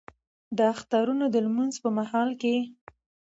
د اخترونو د لمونځ په مهال کې